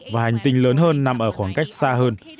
và hành tinh lớn hơn nằm ở khoảng cách xa hơn